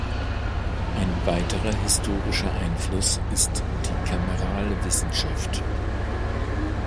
Ein weiterer historischer Einfluss ist die Kameralwissenschaft.